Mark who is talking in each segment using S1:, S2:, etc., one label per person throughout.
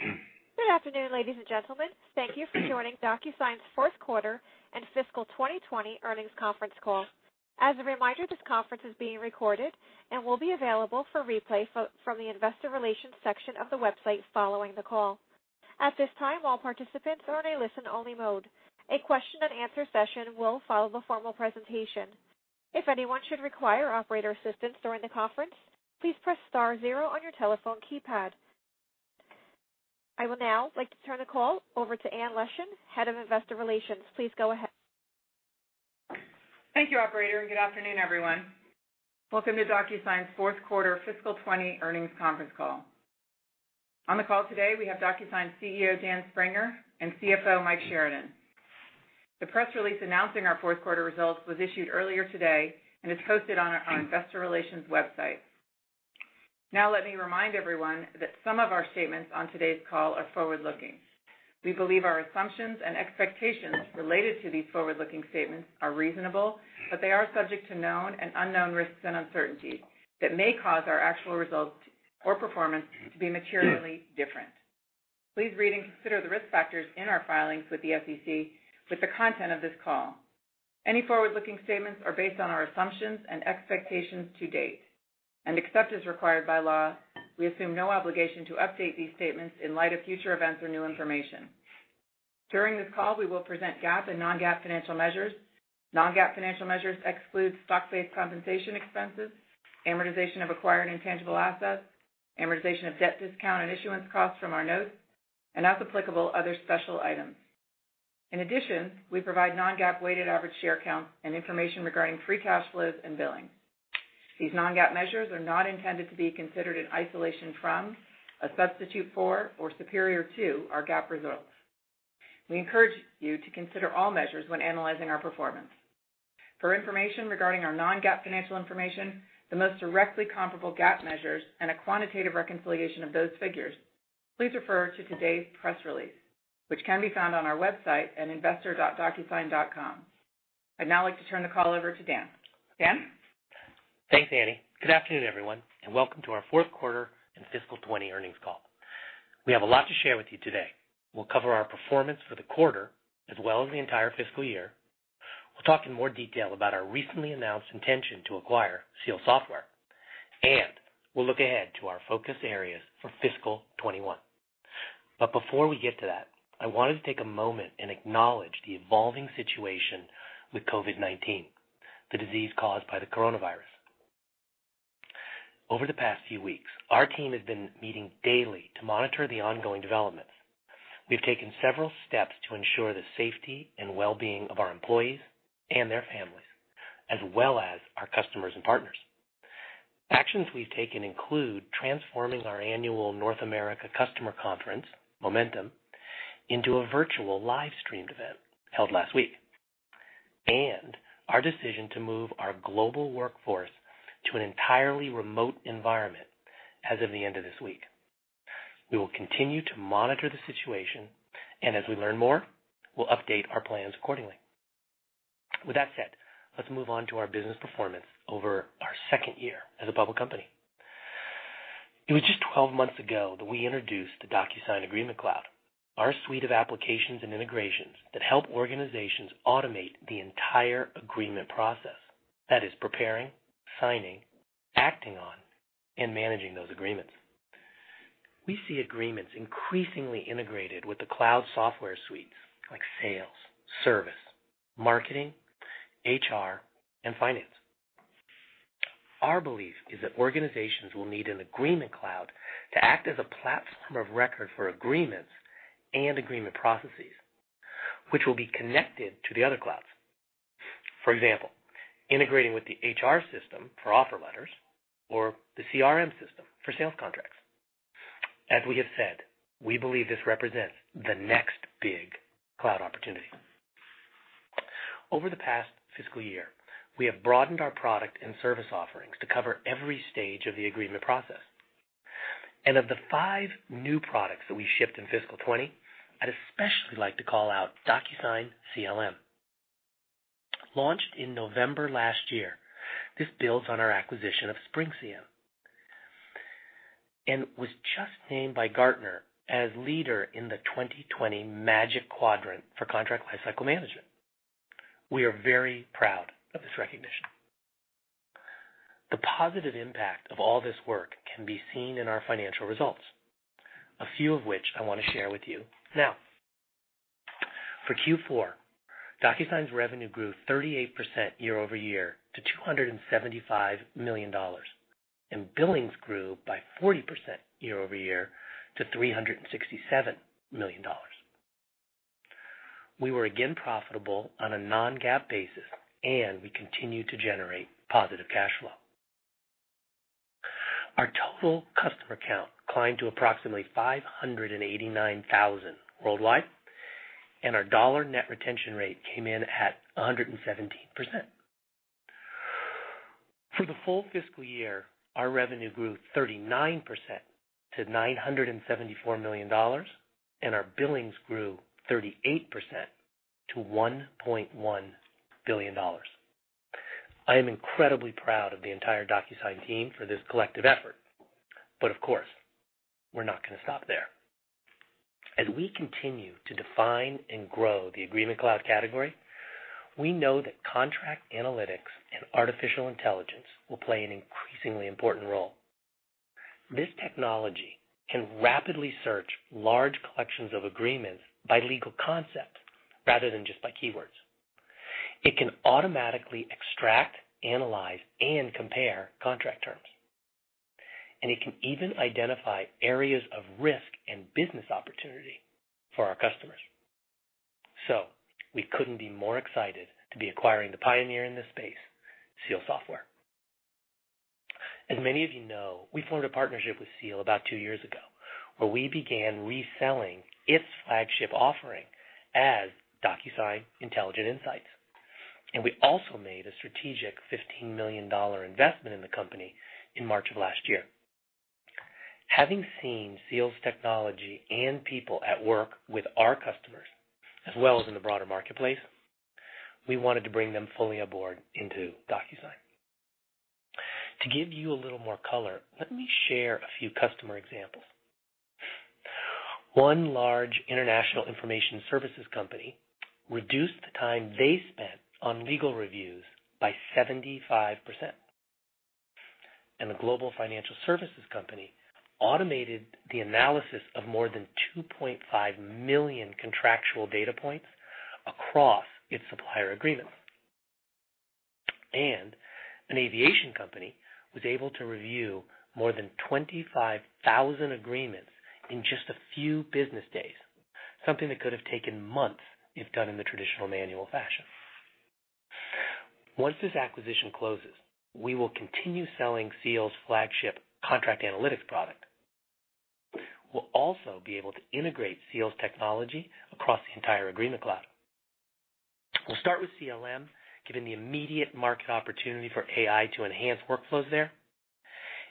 S1: Good afternoon, ladies and gentlemen. Thank you for joining DocuSign's fourth quarter and fiscal 2020 earnings conference call. As a reminder, this conference is being recorded and will be available for replay from the investor relations section of the website following the call. At this time, all participants are in a listen-only mode. A question-and-answer session will follow the formal presentation. If anyone should require operator assistance during the conference, please press star zero on your telephone keypad. I will now like to turn the call over to Annie Leschin, Head of Investor Relations. Please go ahead.
S2: Thank you, operator. Good afternoon, everyone. Welcome to DocuSign's fourth quarter fiscal 2020 earnings conference call. On the call today, we have DocuSign CEO, Dan Springer, and CFO, Mike Sheridan. The press release announcing our fourth quarter results was issued earlier today and is hosted on our investor relations website. Let me remind everyone that some of our statements on today's call are forward-looking. We believe our assumptions and expectations related to these forward-looking statements are reasonable, but they are subject to known and unknown risks and uncertainties that may cause our actual results or performance to be materially different. Please read and consider the risk factors in our filings with the SEC with the content of this call. Any forward-looking statements are based on our assumptions and expectations to-date. Except as required by law, we assume no obligation to update these statements in light of future events or new information. During this call, we will present GAAP and non-GAAP financial measures. Non-GAAP financial measures exclude stock-based compensation expenses, amortization of acquired intangible assets, amortization of debt discount and issuance costs from our notes, and as applicable, other special items. In addition, we provide non-GAAP weighted average share count and information regarding free cash flows and billing. These non-GAAP measures are not intended to be considered in isolation from, a substitute for, or superior to our GAAP results. We encourage you to consider all measures when analyzing our performance. For information regarding our non-GAAP financial information, the most directly comparable GAAP measures, and a quantitative reconciliation of those figures, please refer to today's press release, which can be found on our website at investor.docusign.com. I'd now like to turn the call over to Dan. Dan?
S3: Thanks, Annie. Good afternoon, everyone, and welcome to our fourth quarter and fiscal 2020 earnings call. We have a lot to share with you today. We'll cover our performance for the quarter as well as the entire fiscal year, we'll talk in more detail about our recently announced intention to acquire Seal Software, and we'll look ahead to our focus areas for fiscal 2021. Before we get to that, I wanted to take a moment and acknowledge the evolving situation with COVID-19, the disease caused by the coronavirus. Over the past few weeks, our team has been meeting daily to monitor the ongoing developments. We've taken several steps to ensure the safety and wellbeing of our employees and their families, as well as our customers and partners. Actions we've taken include transforming our annual North America customer conference, Momentum, into a virtual live-streamed event held last week, and our decision to move our global workforce to an entirely remote environment as of the end of this week. We will continue to monitor the situation, as we learn more, we'll update our plans accordingly. With that said, let's move on to our business performance over our second year as a public company. It was just 12 months ago that we introduced the DocuSign Agreement Cloud, our suite of applications and integrations that help organizations automate the entire agreement process. That is preparing, signing, acting on, and managing those agreements. We see agreements increasingly integrated with the cloud software suites like sales, service, marketing, HR, and finance. Our belief is that organizations will need a DocuSign Agreement Cloud to act as a platform of record for agreements and agreement processes, which will be connected to the other clouds. For example, integrating with the HR system for offer letters or the CRM system for sales contracts. As we have said, we believe this represents the next big cloud opportunity. Over the past fiscal year, we have broadened our product and service offerings to cover every stage of the agreement process. Of the five new products that we shipped in fiscal 2020, I'd especially like to call out DocuSign CLM. Launched in November last year, this builds on our acquisition of SpringCM, and was just named by Gartner as leader in the 2020 Magic Quadrant for Contract Life Cycle Management. We are very proud of this recognition. The positive impact of all this work can be seen in our financial results, a few of which I want to share with you now. For Q4, DocuSign's revenue grew 38% year-over-year to $275 million, and billings grew by 40% year-over-year to $367 million. We were again profitable on a non-GAAP basis, and we continued to generate positive cash flow. Our total customer count climbed to approximately 589,000 worldwide, and our dollar net retention rate came in at 117%. For the full fiscal year, our revenue grew 39% to $974 million, and our billings grew 38% to $1.1 billion. I am incredibly proud of the entire DocuSign team for this collective effort. Of course, we're not going to stop there. As we continue to define and grow the Agreement Cloud category, we know that contract analytics and artificial intelligence will play an increasingly important role. This technology can rapidly search large collections of agreements by legal concept rather than just by keywords. It can automatically extract, analyze, and compare contract terms, and it can even identify areas of risk and business opportunity for our customers. We couldn't be more excited to be acquiring the pioneer in this space, Seal Software. As many of you know, we formed a partnership with Seal about two years ago, where we began reselling its flagship offering as DocuSign Intelligent Insights. We also made a strategic $15 million investment in the company in March of last year. Having seen Seal's technology and people at work with our customers, as well as in the broader marketplace, we wanted to bring them fully aboard into DocuSign. To give you a little more color, let me share a few customer examples. One large international information services company reduced the time they spent on legal reviews by 75%. A global financial services company automated the analysis of more than 2.5 million contractual data points across its supplier agreements. An aviation company was able to review more than 25,000 agreements in just a few business days, something that could have taken months if done in the traditional manual fashion. Once this acquisition closes, we will continue selling Seal's flagship contract analytics product. We'll also be able to integrate Seal's technology across the entire Agreement Cloud. We'll start with CLM, given the immediate market opportunity for AI to enhance workflows there.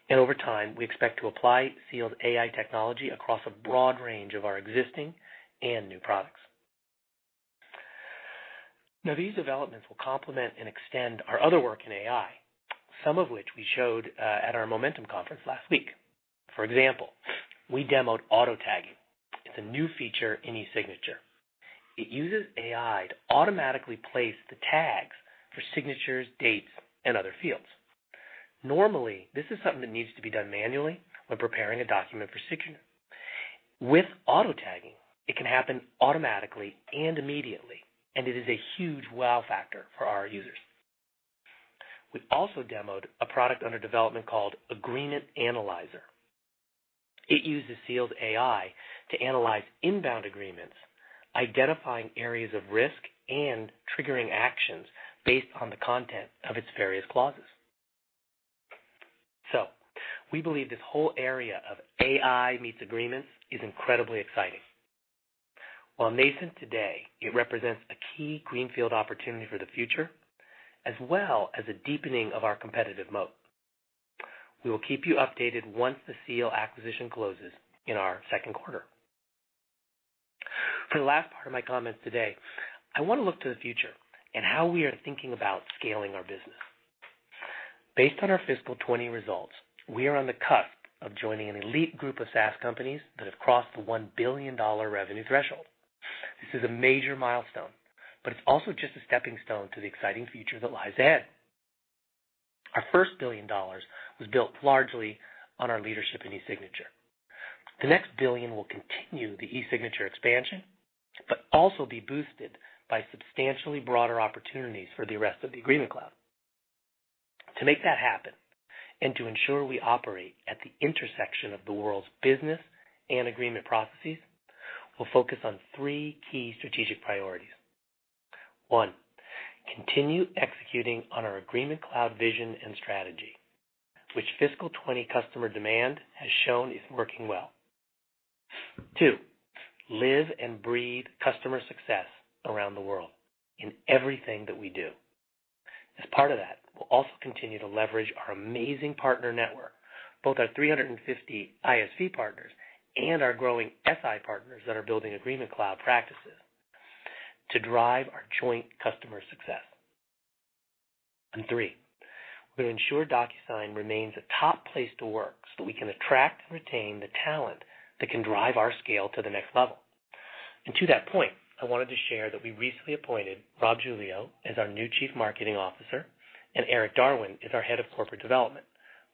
S3: Over time, we expect to apply Seal's AI technology across a broad range of our existing and new products. Now, these developments will complement and extend our other work in AI, some of which we showed at our Momentum Conference last week. For example, we demoed Auto-Tagging. It's a new feature in eSignature. It uses AI to automatically place the tags for signatures, dates, and other fields. Normally, this is something that needs to be done manually when preparing a document for signature. With Auto-Tagging, it can happen automatically and immediately, and it is a huge wow factor for our users. We also demoed a product under development called DocuSign Analyzer. It uses Seal's AI to analyze inbound agreements, identifying areas of risk and triggering actions based on the content of its various clauses. We believe this whole area of AI meets agreements is incredibly exciting. While nascent today, it represents a key greenfield opportunity for the future, as well as a deepening of our competitive moat. We will keep you updated once the Seal acquisition closes in our second quarter. For the last part of my comments today, I want to look to the future and how we are thinking about scaling our business. Based on our fiscal 2020 results, we are on the cusp of joining an elite group of SaaS companies that have crossed the $1 billion revenue threshold. This is a major milestone, but it's also just a stepping stone to the exciting future that lies ahead. Our first $1 billion was built largely on our leadership in eSignature. The next $1 billion will continue the eSignature expansion, but also be boosted by substantially broader opportunities for the rest of the Agreement Cloud. To make that happen and to ensure we operate at the intersection of the world's business and agreement processes, we'll focus on three key strategic priorities. One, continue executing on our Agreement Cloud vision and strategy, which fiscal 2020 customer demand has shown is working well. Two, live and breathe customer success around the world in everything that we do. As part of that, we'll also continue to leverage our amazing partner network, both our 350 ISV partners and our growing SI partners that are building Agreement Cloud practices to drive our joint customer success. Three, we're going to ensure DocuSign remains a top place to work so we can attract and retain the talent that can drive our scale to the next level. To that point, I wanted to share that we recently appointed Rob Giglio as our new Chief Marketing Officer and Eric Darwin as our Head of Corporate Development.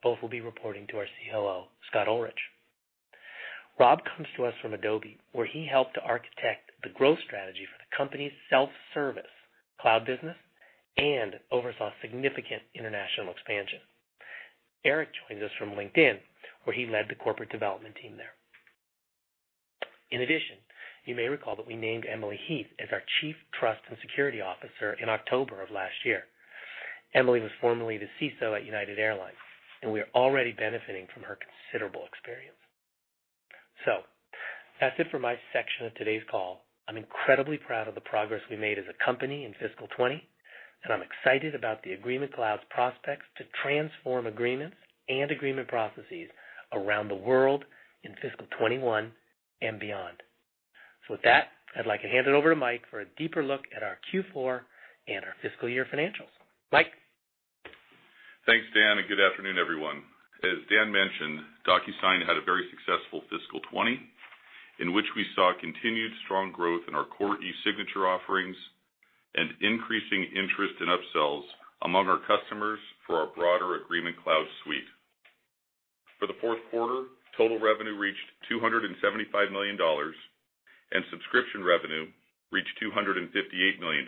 S3: Both will be reporting to our COO, Scott Olrich. Rob comes to us from Adobe, where he helped to architect the growth strategy for the company's self-service cloud business and oversaw significant international expansion. Eric joins us from LinkedIn, where he led the corporate development team there. You may recall that we named Emily Heath as our Chief Trust and Security Officer in October of last year. Emily was formerly the CISO at United Airlines. We are already benefiting from her considerable experience. That's it for my section of today's call. I'm incredibly proud of the progress we made as a company in fiscal 2020. I'm excited about the Agreement Cloud's prospects to transform agreements and agreement processes around the world in fiscal 2021 and beyond. With that, I'd like to hand it over to Mike for a deeper look at our Q4 and our fiscal year financials. Mike?
S4: Thanks, Dan, and good afternoon, everyone. As Dan mentioned, DocuSign had a very successful fiscal 2020, in which we saw continued strong growth in our core eSignature offerings and increasing interest in upsells among our customers for our broader Agreement Cloud suite. For the fourth quarter, total revenue reached $275 million, subscription revenue reached $258 million,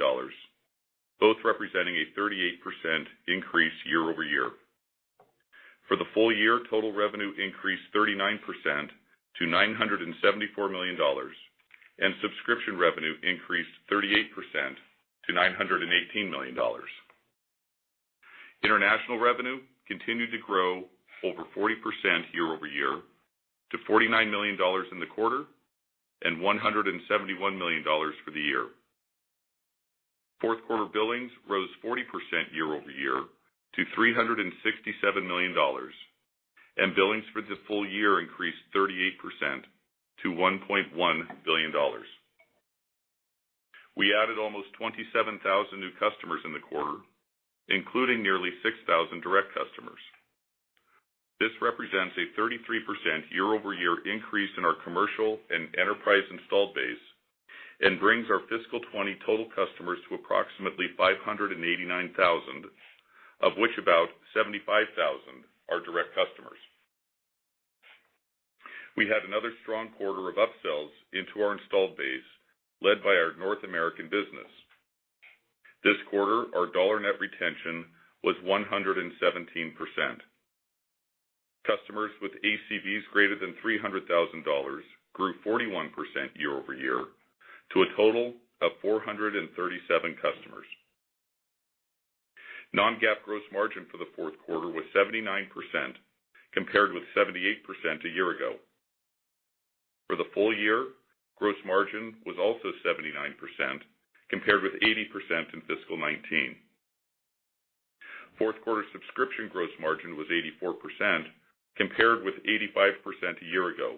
S4: both representing a 38% increase year-over-year. For the full year, total revenue increased 39% to $974 million, subscription revenue increased 38% to $918 million. International revenue continued to grow over 40% year-over-year to $49 million in the quarter and $171 million for the year. Fourth quarter billings rose 40% year-over-year to $367 million, billings for the full year increased 38% to $1.1 billion. We added almost 27,000 new customers in the quarter, including nearly 6,000 direct customers. This represents a 33% year-over-year increase in our commercial and enterprise installed base and brings our fiscal 2020 total customers to approximately 589,000, of which about 75,000 are direct customers. We had another strong quarter of upsells into our installed base, led by our North American business. This quarter, our dollar net retention was 117%. Customers with ACVs greater than $300,000 grew 41% year-over-year to a total of 437 customers. non-GAAP gross margin for the fourth quarter was 79%, compared with 78% a year ago. For the full year, gross margin was also 79%, compared with 80% in fiscal 2019. Fourth quarter subscription gross margin was 84%, compared with 85% a year ago.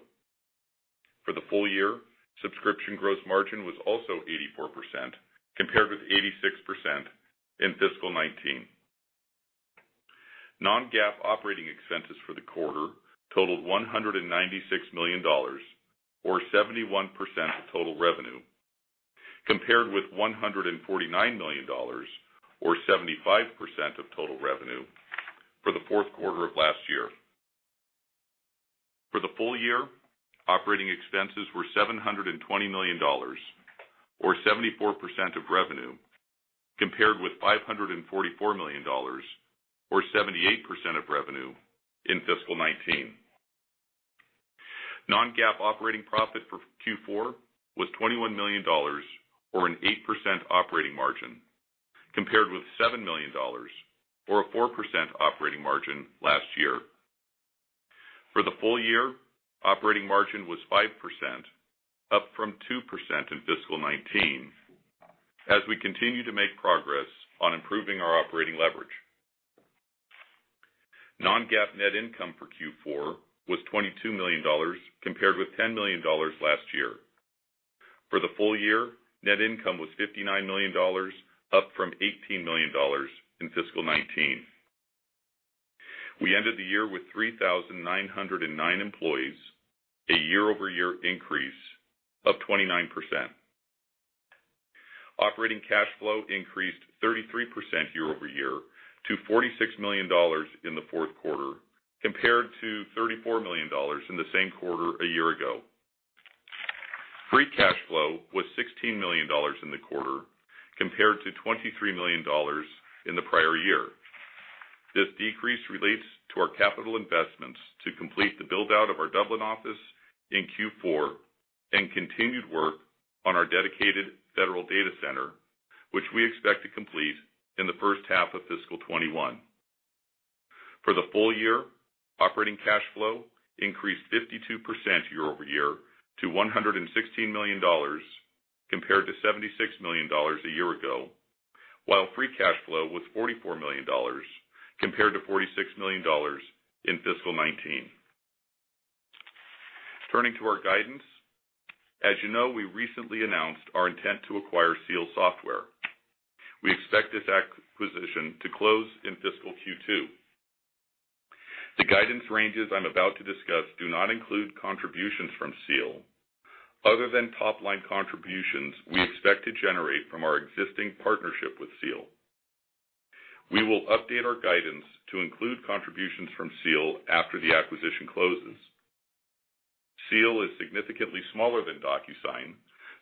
S4: For the full year, subscription gross margin was also 84%, compared with 86% in fiscal 2019. Non-GAAP operating expenses for the quarter totaled $196 million, or 71% of total revenue, compared with $149 million, or 75% of total revenue, for the fourth quarter of last year. For the full year, operating expenses were $720 million, or 74% of revenue, compared with $544 million, or 78% of revenue, in fiscal 2019. Non-GAAP operating profit for Q4 was $21 million, or an 8% operating margin, compared with $7 million, or a 4% operating margin last year. For the full year, operating margin was 5%, up from 2% in fiscal 2019, as we continue to make progress on improving our operating leverage. Non-GAAP net income for Q4 was $22 million, compared with $10 million last year. For the full year, net income was $59 million, up from $18 million in fiscal 2019. We ended the year with 3,909 employees, a year-over-year increase of 29%. Operating cash flow increased 33% year-over-year to $46 million in the fourth quarter, compared to $34 million in the same quarter a year ago. Free cash flow was $16 million in the quarter, compared to $23 million in the prior year. This decrease relates to our capital investments to complete the build-out of our Dublin office in Q4 and continued work on our dedicated federal data center, which we expect to complete in the first half of fiscal 2021. For the full year, operating cash flow increased 52% year-over-year to $116 million, compared to $76 million a year ago, while free cash flow was $44 million, compared to $46 million in fiscal 2019. Turning to our guidance, as you know, we recently announced our intent to acquire Seal Software. We expect this acquisition to close in fiscal Q2. The guidance ranges I'm about to discuss do not include contributions from Seal, other than top-line contributions we expect to generate from our existing partnership with Seal. We will update our guidance to include contributions from Seal after the acquisition closes. Seal is significantly smaller than DocuSign,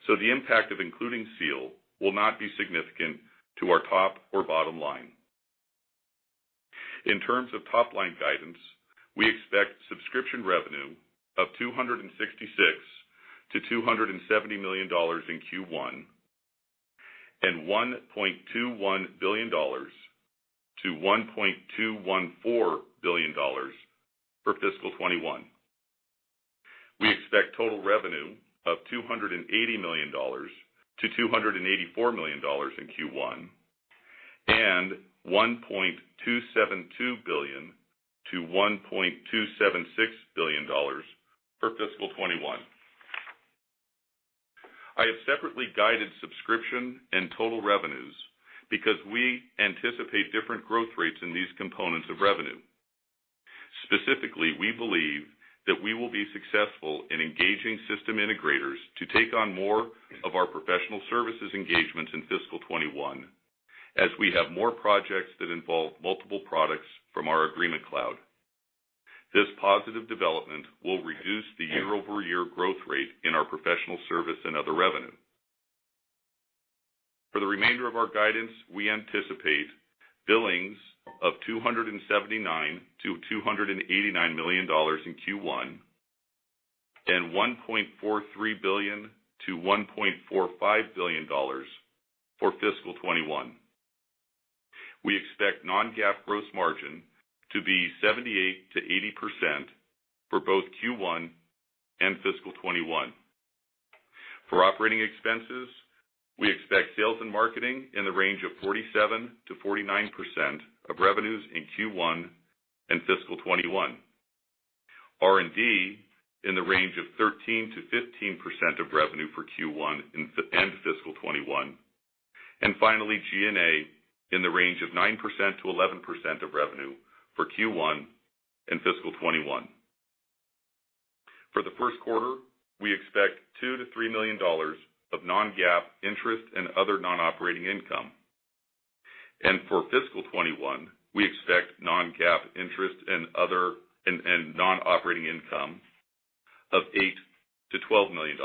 S4: so the impact of including Seal will not be significant to our top or bottom line. In terms of top-line guidance, we expect subscription revenue of $266 million-$270 million in Q1, and $1.21 billion-$1.214 billion for fiscal 2021. We expect total revenue of $280 million-$284 million in Q1, and $1.272 billion-$1.276 billion for fiscal 2021. I have separately guided subscription and total revenues because we anticipate different growth rates in these components of revenue. Specifically, we believe that we will be successful in engaging system integrators to take on more of our professional services engagements in fiscal 2021, as we have more projects that involve multiple products from our DocuSign Agreement Cloud. This positive development will reduce the year-over-year growth rate in our professional service and other revenue. For the remainder of our guidance, we anticipate billings of $279 million-$289 million in Q1, and $1.43 billion-$1.45 billion for fiscal 2021. We expect non-GAAP gross margin to be 78%-80% for both Q1 and fiscal 2021. For operating expenses, we expect sales and marketing in the range of 47%-49% of revenues in Q1 and fiscal 2021. R&D, in the range of 13%-15% of revenue for Q1 and fiscal 2021. Finally, G&A in the range of 9%-11% of revenue for Q1 and fiscal 2021. For the first quarter, we expect $2 million-$3 million of non-GAAP interest and other non-operating income. For fiscal 2021, we expect non-GAAP interest and non-operating income of $8 million-$12 million.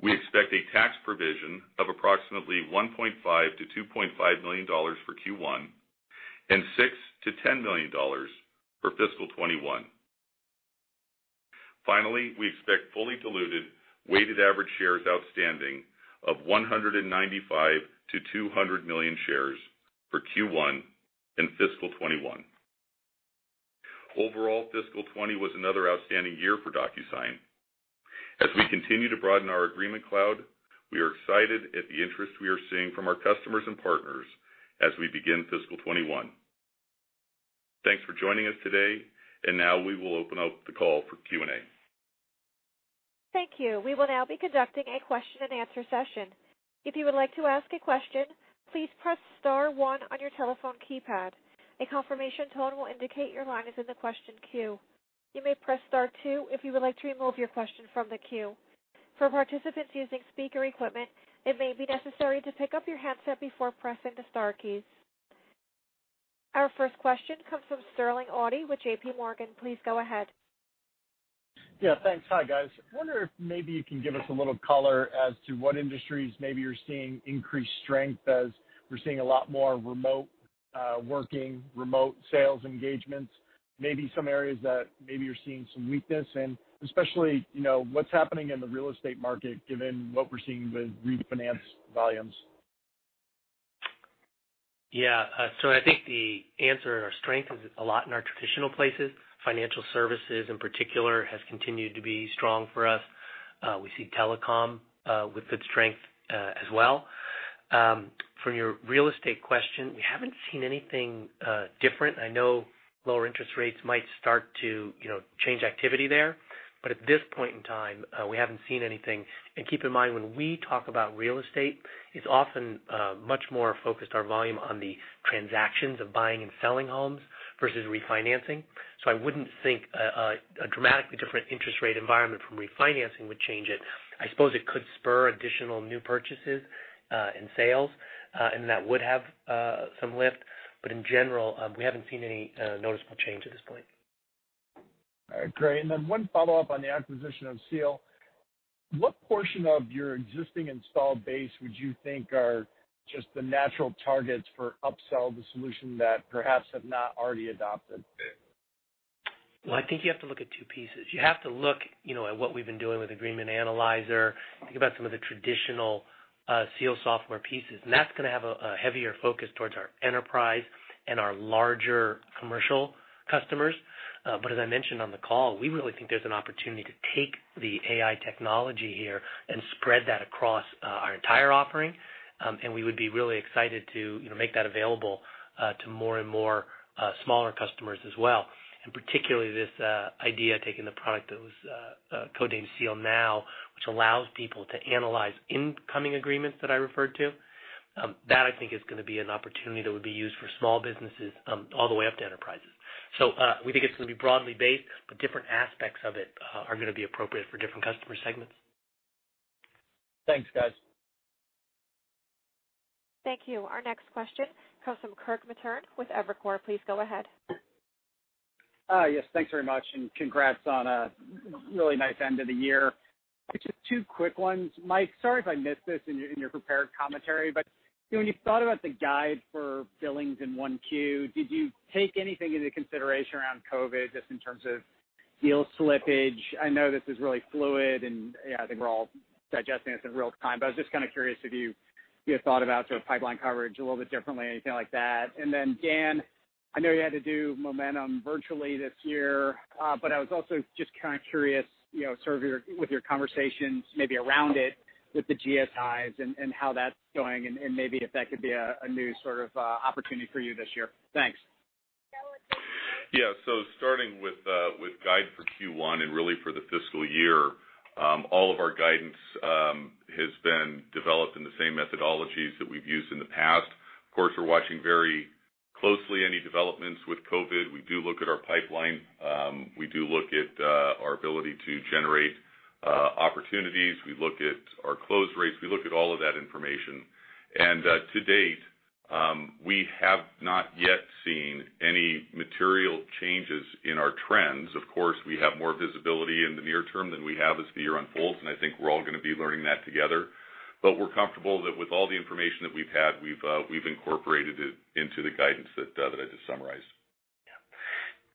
S4: We expect a tax provision of approximately $1.5 million-$2.5 million for Q1, and $6 million-$10 million for fiscal 2021. Finally, we expect fully diluted weighted average shares outstanding of 195 million-200 million shares for Q1 and fiscal 2021. Overall, fiscal 2020 was another outstanding year for DocuSign. As we continue to broaden our Agreement Cloud, we are excited at the interest we are seeing from our customers and partners as we begin fiscal 2021. Thanks for joining us today, now we will open up the call for Q&A.
S1: Thank you. We will now be conducting a question-and-answer session. If you would like to ask a question, please press star one on your telephone keypad. A confirmation tone will indicate your line is in the question queue. You may press star two if you would like to remove your question from the queue. For participants using speaker equipment, it may be necessary to pick up your handset before pressing the star keys. Our first question comes from Sterling Auty with JPMorgan. Please go ahead.
S5: Yeah, thanks. Hi, guys. I wonder if maybe you can give us a little color as to what industries maybe you're seeing increased strength as we're seeing a lot more remote working, remote sales engagements, maybe some areas that maybe you're seeing some weakness, and especially what's happening in the real estate market, given what we're seeing with refinance volumes?
S3: I think the answer in our strength is a lot in our traditional places. Financial services, in particular, has continued to be strong for us. We see telecom with good strength as well. From your real estate question, we haven't seen anything different. I know lower interest rates might start to change activity there, but at this point in time, we haven't seen anything. Keep in mind, when we talk about real estate, it's often much more focused, our volume, on the transactions of buying and selling homes versus refinancing. I wouldn't think a dramatically different interest rate environment from refinancing would change it. I suppose it could spur additional new purchases and sales, and that would have some lift. In general, we haven't seen any noticeable change at this point.
S5: All right, great. One follow-up on the acquisition of Seal. What portion of your existing installed base would you think are just the natural targets for upsell the solution that perhaps have not already adopted?
S3: Well, I think you have to look at two pieces. You have to look at what we've been doing with DocuSign Analyzer, think about some of the traditional Seal Software pieces. That's going to have a heavier focus towards our enterprise and our larger commercial customers. As I mentioned on the call, we really think there's an opportunity to take the AI technology here and spread that across our entire offering. We would be really excited to make that available to more and more smaller customers as well. Particularly this idea of taking the product that was codenamed Seal Software, which allows people to analyze incoming agreements that I referred to. That I think is going to be an opportunity that would be used for small businesses all the way up to enterprises. We think it's going to be broadly based, but different aspects of it are going to be appropriate for different customer segments.
S5: Thanks, guys.
S1: Thank you. Our next question comes from Kirk Materne with Evercore. Please go ahead.
S6: Yes, thanks very much. Congrats on a really nice end of the year. Just two quick ones. Mike, sorry if I missed this in your prepared commentary. When you thought about the guide for billings in 1Q, did you take anything into consideration around COVID, just in terms of deal slippage? I know this is really fluid. I think we're all digesting this in real time. I was just curious if you thought about sort of pipeline coverage a little bit differently, anything like that. Dan I know you had to do Momentum virtually this year, but I was also just curious, sort of with your conversations maybe around it with the GSIs and how that's going and maybe if that could be a new sort of opportunity for you this year. Thanks.
S4: Starting with guide for Q1 and really for the fiscal year, all of our guidance has been developed in the same methodologies that we've used in the past. Of course, we're watching very closely any developments with COVID. We do look at our pipeline. We do look at our ability to generate opportunities. We look at our close rates. We look at all of that information. To date, we have not yet seen any material changes in our trends. Of course, we have more visibility in the near term than we have as the year unfolds, and I think we're all going to be learning that together. We're comfortable that with all the information that we've had, we've incorporated it into the guidance that I just summarized.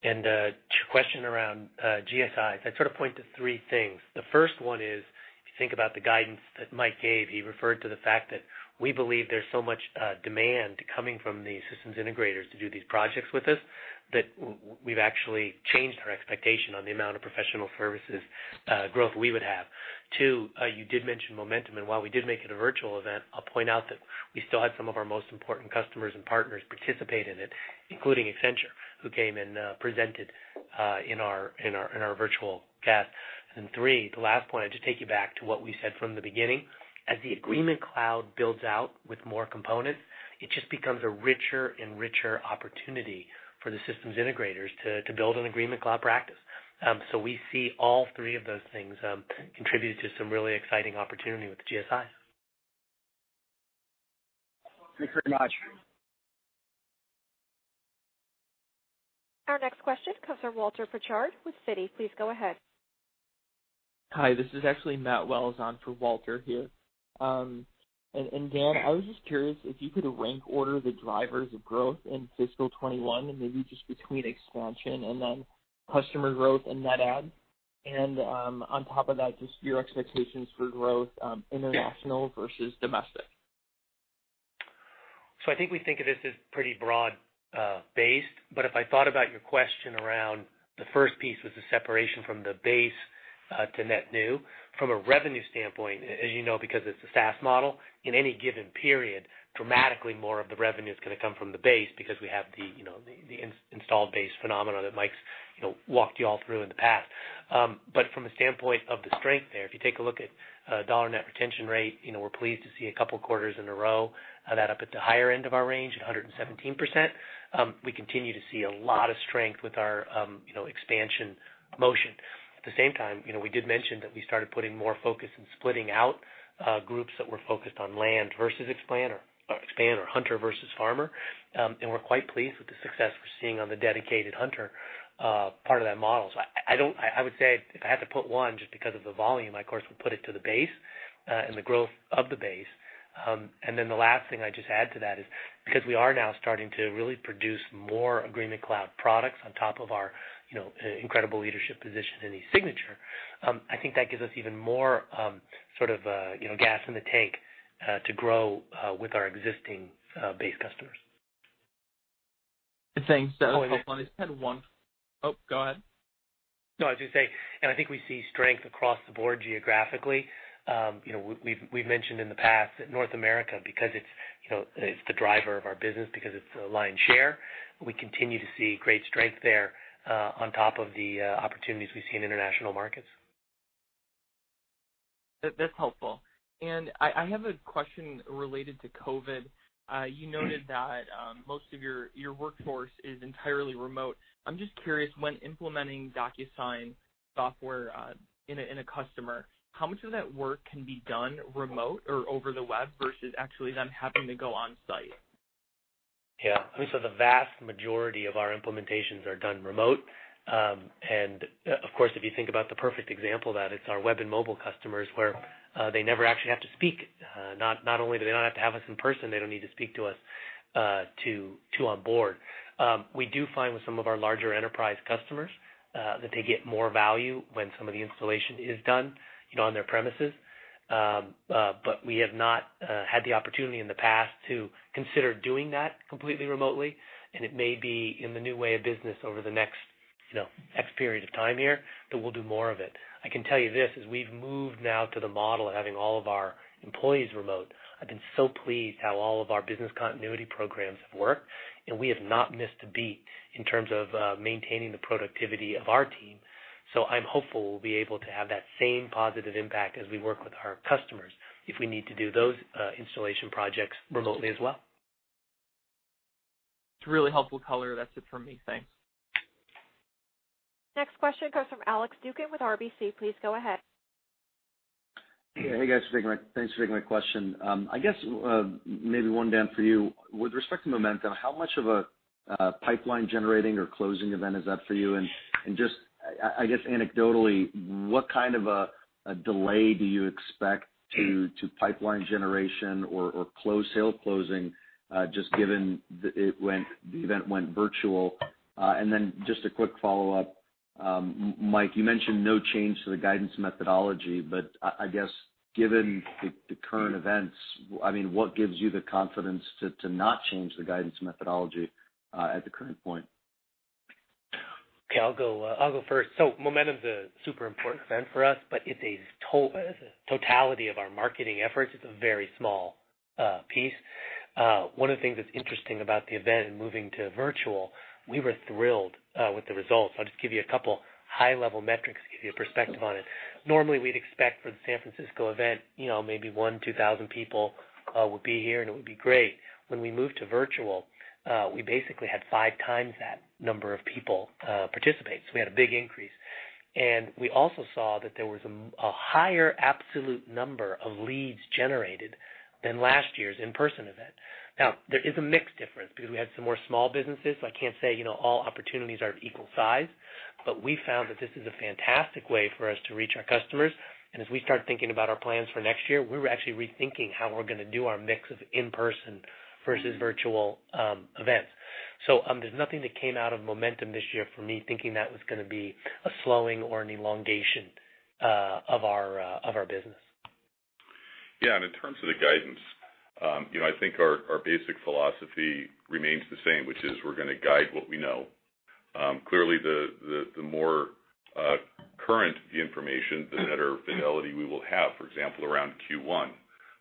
S3: Yeah. To your question around GSIs, I'd sort of point to three things. The first one is, if you think about the guidance that Mike gave, he referred to the fact that we believe there's so much demand coming from the systems integrators to do these projects with us that we've actually changed our expectation on the amount of professional services growth we would have. Two, you did mention Momentum, and while we did make it a virtual event, I'll point out that we still had some of our most important customers and partners participate in it, including Accenture, who came and presented in our virtual cast. Three, the last point, I'd just take you back to what we said from the beginning. As the Agreement Cloud builds out with more components, it just becomes a richer and richer opportunity for the systems integrators to build an Agreement Cloud practice. We see all three of those things contribute to some really exciting opportunity with the GSI.
S6: Thank you very much.
S1: Our next question comes from Walter Pritchard with Citi. Please go ahead.
S7: Hi, this is actually Matt Wells on for Walter here. Dan, I was just curious if you could rank order the drivers of growth in fiscal 2021 and maybe just between expansion and then customer growth and net add, and on top of that, just your expectations for growth international versus domestic.
S3: I think we think of this as pretty broad-based, but if I thought about your question around the first piece was the separation from the base to net new. From a revenue standpoint, as you know, because it's a SaaS model, in any given period, dramatically more of the revenue's going to come from the base because we have the installed base phenomenon that Mike's walked you all through in the past. From a standpoint of the strength there, if you take a look at dollar net retention rate, we're pleased to see a couple of quarters in a row of that up at the higher end of our range at 117%. We continue to see a lot of strength with our expansion motion. At the same time, we did mention that we started putting more focus in splitting out groups that were focused on land versus expand or hunter versus farmer. We're quite pleased with the success we're seeing on the dedicated hunter part of that model. I would say if I had to put one, just because of the volume, I of course would put it to the base, and the growth of the base. The last thing I'd just add to that is, because we are now starting to really produce more Agreement Cloud products on top of our incredible leadership position in eSignature, I think that gives us even more sort of gas in the tank to grow with our existing base customers.
S7: Good, thanks. That was helpful. I just had one. Oh, go ahead.
S3: No, I was just saying, and I think we see strength across the board geographically. We've mentioned in the past that North America, because it's the driver of our business because it's the lion's share, we continue to see great strength there on top of the opportunities we see in international markets.
S7: That's helpful. I have a question related to COVID. You noted that most of your workforce is entirely remote. I'm just curious, when implementing DocuSign software in a customer, how much of that work can be done remote or over the web versus actually them having to go on-site?
S3: Yeah. The vast majority of our implementations are done remote. Of course, if you think about the perfect example of that, it's our web and mobile customers where they never actually have to speak. Not only do they not have to have us in person, they don't need to speak to us to onboard. We do find with some of our larger enterprise customers, that they get more value when some of the installation is done on their premises. We have not had the opportunity in the past to consider doing that completely remotely, and it may be in the new way of business over the next X period of time here that we'll do more of it. I can tell you this, as we've moved now to the model of having all of our employees remote, I've been so pleased how all of our business continuity programs have worked, and we have not missed a beat in terms of maintaining the productivity of our team. I'm hopeful we'll be able to have that same positive impact as we work with our customers if we need to do those installation projects remotely as well.
S7: That's really helpful color. That's it from me. Thanks.
S1: Next question comes from Alex Zukin with RBC. Please go ahead.
S8: Hey, guys. Thanks for taking my question. I guess, maybe one, Dan, for you. With respect to Momentum, how much of a pipeline-generating or closing event is that for you? Just, I guess anecdotally, what kind of a delay do you expect to pipeline generation or close sale closing, just given the event went virtual? Just a quick follow-up, Mike, you mentioned no change to the guidance methodology, but I guess, given the current events, what gives you the confidence to not change the guidance methodology at the current point?
S3: Okay. I'll go first. Momentum's a super important event for us, but it's a totality of our marketing efforts. It's a very small piece. One of the things that's interesting about the event and moving to virtual, we were thrilled with the results. I'll just give you a couple high-level metrics to give you a perspective on it. Normally, we'd expect for the San Francisco event, maybe 1,000, 2,000 people would be here, and it would be great. When we moved to virtual, we basically had five times that number of people participate. We had a big increase. We also saw that there was a higher absolute number of leads generated than last year's in-person event. Now, there is a mix difference because we had some more small businesses. I can't say, all opportunities are of equal size. We found that this is a fantastic way for us to reach our customers. As we start thinking about our plans for next year, we're actually rethinking how we're going to do our mix of in-person versus virtual events. There's nothing that came out of Momentum this year for me thinking that was going to be a slowing or an elongation of our business.
S4: In terms of the guidance, I think our basic philosophy remains the same, which is we're going to guide what we know. Clearly, the more current the information, the better fidelity we will have, for example, around Q1.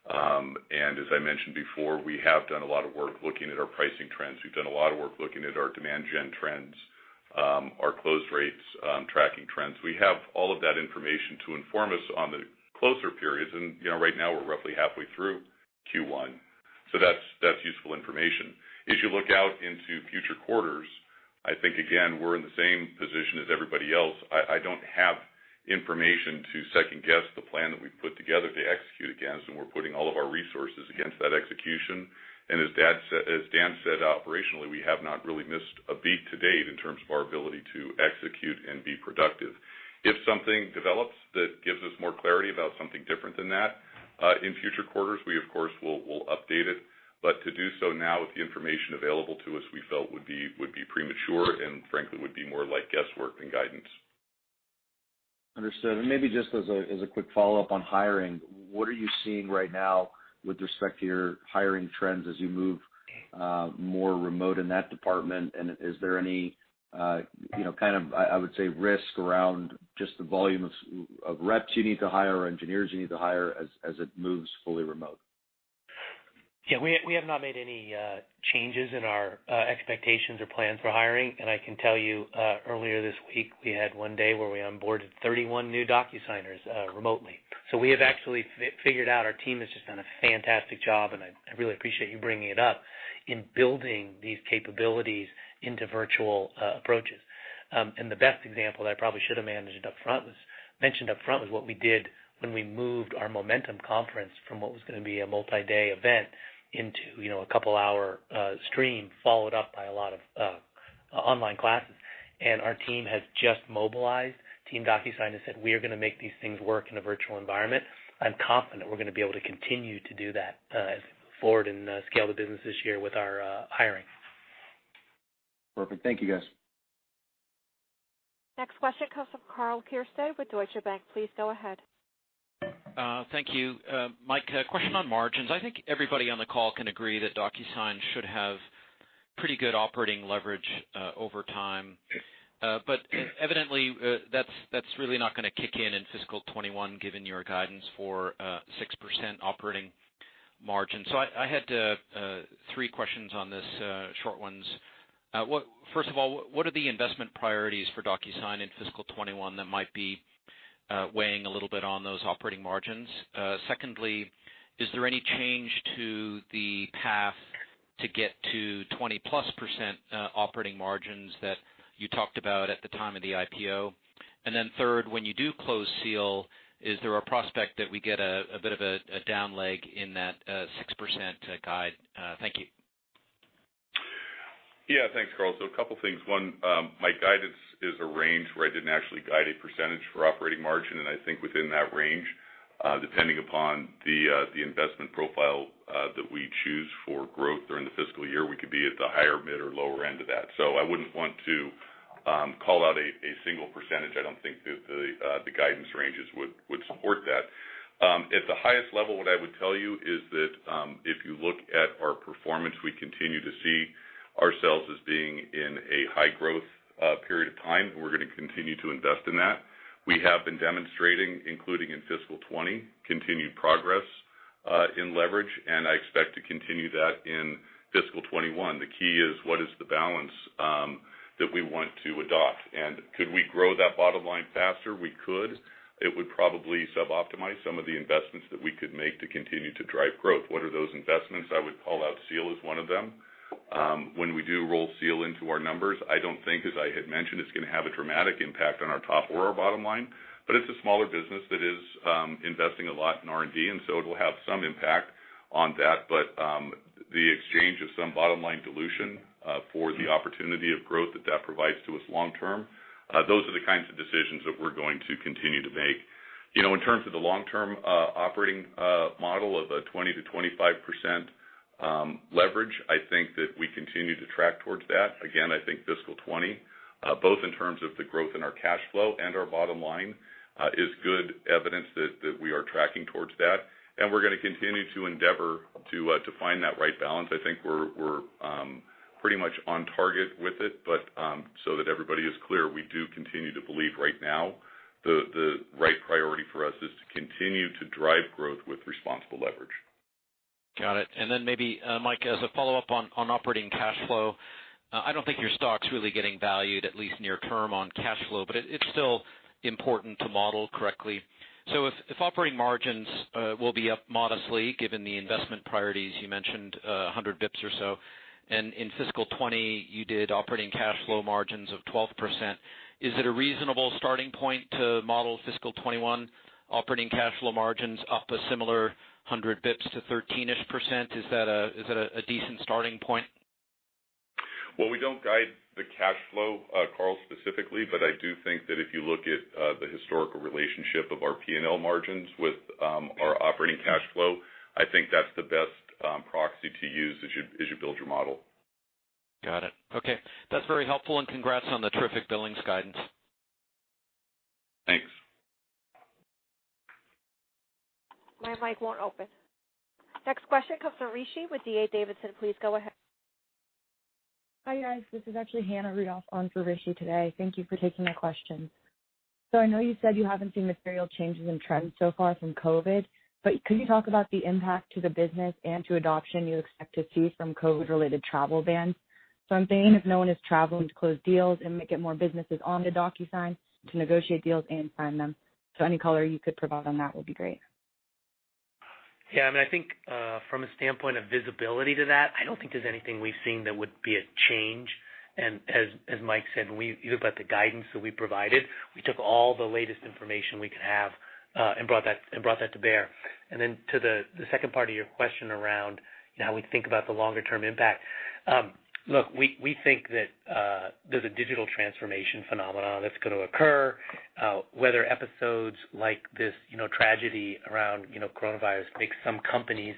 S4: As I mentioned before, we have done a lot of work looking at our pricing trends. We've done a lot of work looking at our demand gen trends, our close rates, tracking trends. We have all of that information to inform us on the closer periods, and right now we're roughly halfway through Q1. That's useful information. As you look out into future quarters, I think, again, we're in the same position as everybody else. I don't have information to second-guess the plan that we've put together to execute against, and we're putting all of our resources against that execution. As Dan said, operationally, we have not really missed a beat to date in terms of our ability to execute and be productive. If something develops that gives us more clarity about something different than that in future quarters, we of course will update it. To do so now with the information available to us, we felt would be premature and frankly would be more like guesswork than guidance.
S8: Understood. Maybe just as a quick follow-up on hiring, what are you seeing right now with respect to your hiring trends as you move more remote in that department? Is there any, kind of, I would say risk around just the volume of reps you need to hire, engineers you need to hire, as it moves fully remote?
S3: Yeah. We have not made any changes in our expectations or plans for hiring. I can tell you, earlier this week, we had one day where we onboarded 31 new DocuSigners remotely. We have actually figured out, our team has just done a fantastic job, and I really appreciate you bringing it up, in building these capabilities into virtual approaches. The best example that I probably should have mentioned up front was what we did when we moved our Momentum conference from what was going to be a multi-day event into a couple-hour stream, followed up by a lot of online classes. Our team has just mobilized. Team DocuSign has said, "We are going to make these things work in a virtual environment." I'm confident we're going to be able to continue to do that going forward and scale the business this year with our hiring.
S8: Perfect. Thank you, guys.
S1: Next question comes from Karl Keirstead with Deutsche Bank. Please go ahead.
S9: Thank you. Mike, a question on margins. I think everybody on the call can agree that DocuSign should have pretty good operating leverage over time. Evidently, that's really not going to kick in in fiscal 2021, given your guidance for 6% operating margin. I had three questions on this, short ones. First of all, what are the investment priorities for DocuSign in fiscal 2021 that might be weighing a little bit on those operating margins? Secondly, is there any change to the path to get to 20%+ operating margins that you talked about at the time of the IPO? Third, when you do close Seal, is there a prospect that we get a bit of a down leg in that 6% guide? Thank you.
S4: Yeah. Thanks, Karl. A couple things. One, my guidance is a range where I didn't actually guide a percentage for operating margin, and I think within that range, depending upon the investment profile that we choose for growth during the fiscal year, we could be at the higher, mid, or lower end of that. I wouldn't want to call out a single percentage. I don't think that the guidance ranges would support that. At the highest level, what I would tell you is that, if you look at our performance, we continue to see ourselves as being in a high-growth period of time, and we're going to continue to invest in that. We have been demonstrating, including in fiscal 2020, continued progress in leverage, and I expect to continue that in fiscal 2021. The key is, what is the balance that we want to adopt? Could we grow that bottom line faster? We could. It would probably suboptimize some of the investments that we could make to continue to drive growth. What are those investments? I would call out Seal as one of them. When we do roll Seal into our numbers, I don't think, as I had mentioned, it's going to have a dramatic impact on our top or our bottom line. It's a smaller business that is investing a lot in R&D, and so it'll have some impact on that. The exchange of some bottom-line dilution for the opportunity of growth that that provides to us long term. In terms of the long-term operating model of a 20%-25% leverage, I think that we continue to track towards that. I think fiscal 2020, both in terms of the growth in our cash flow and our bottom line, is good evidence that we are tracking towards that, and we're going to continue to endeavor to find that right balance. I think we're pretty much on target with it. That everybody is clear, we do continue to believe right now the right priority for us is to continue to drive growth with responsible leverage.
S9: Got it. Then maybe, Mike, as a follow-up on operating cash flow, I don't think your stock's really getting valued, at least near term on cash flow, but it's still important to model correctly. If operating margins will be up modestly, given the investment priorities you mentioned, 100 basis points or so, and in fiscal 2020, you did operating cash flow margins of 12%, is it a reasonable starting point to model fiscal 2021 operating cash flow margins up a similar 100 basis points to 13-ish%? Is that a decent starting point?
S4: Well, we don't guide the cash flow, Karl, specifically, but I do think that if you look at the historical relationship of our P&L margins with our operating cash flow, I think that's the best proxy to use as you build your model.
S9: Got it. Okay. That's very helpful and congrats on the terrific billings guidance.
S4: Thanks.
S1: My mic won't open. Next question comes from Rishi with D.A. Davidson. Please go ahead.
S10: Hi, guys. This is actually Hannah Rudoff on for Rishi today. Thank you for taking my question. I know you said you haven't seen material changes in trends so far from COVID, but could you talk about the impact to the business and to adoption you expect to see from COVID-related travel bans? I'm thinking if no one is traveling to close deals, it may get more businesses on to DocuSign to negotiate deals and sign them. Any color you could provide on that would be great.
S3: Yeah, I think from a standpoint of visibility to that, I don't think there's anything we've seen that would be a change. As Mike said, when you look at the guidance that we provided, we took all the latest information we could have and brought that to bear. To the second part of your question around how we think about the longer-term impact, look, we think that there's a digital transformation phenomenon that's going to occur. Whether episodes like this tragedy around coronavirus make some companies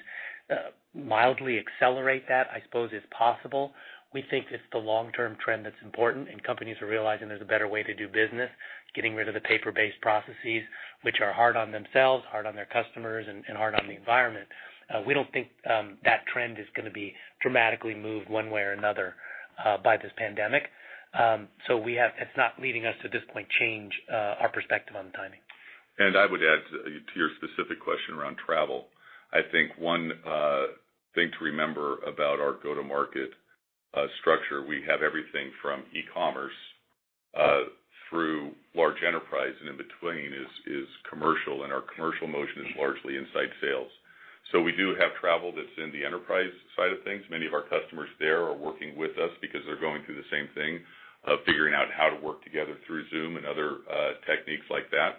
S3: mildly accelerate that, I suppose, is possible. We think it's the long-term trend that's important, and companies are realizing there's a better way to do business, getting rid of the paper-based processes, which are hard on themselves, hard on their customers, and hard on the environment. We don't think that trend is going to be dramatically moved one way or another by this pandemic. It's not leading us to, at this point, change our perspective on the timing.
S4: I would add to your specific question around travel, I think one thing to remember about our go-to-market structure, we have everything from e-commerce through large enterprise, and in between is commercial, and our commercial motion is largely inside sales. We do have travel that's in the enterprise side of things. Many of our customers there are working with us because they're going through the same thing of figuring out how to work together through Zoom and other techniques like that.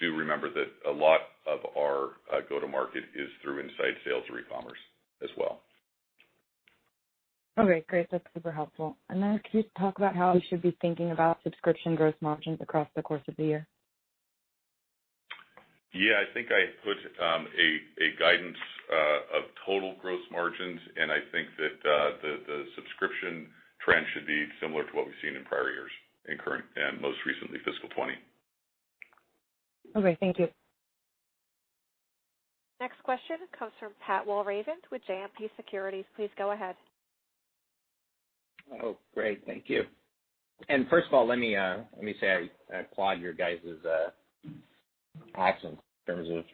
S4: Do remember that a lot of our go-to-market is through inside sales or e-commerce as well.
S10: Okay, great. That's super helpful. Then can you talk about how we should be thinking about subscription gross margins across the course of the year?
S4: Yeah. I think I put a guidance of total gross margins, and I think that the subscription trend should be similar to what we've seen in prior years and most recently, fiscal 2020.
S10: Okay, thank you.
S1: Next question comes from Pat Walravens with JMP Securities. Please go ahead.
S11: Oh, great. Thank you. First of all, let me say I applaud your guys' actions in terms of